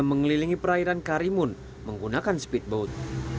mengelilingi perairan karimun menggunakan speedboat